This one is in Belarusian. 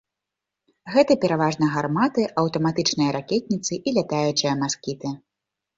Гэта пераважна гарматы, аўтаматычныя ракетніцы і лятаючыя маскіты.